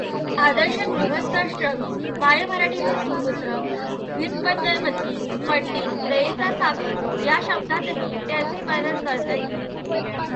आदर्श गृहस्थाश्रमी, मायमराठीचे सुपुत्र, व्युत्पन्नमति पंडित, दयेचा सागर या शब्दांतही त्यांचे वर्णन करता येईल.